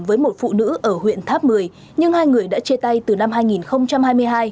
với một phụ nữ ở huyện tháp một mươi nhưng hai người đã chia tay từ năm hai nghìn hai mươi hai